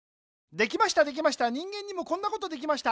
できましたできました人間にもこんなことできました